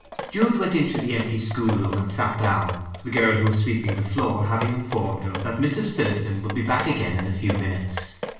Jude went into the empty schoolroom and sat down, the girl who was sweeping the floor having informed him that Mrs. Phillotson would be back again in a few minutes.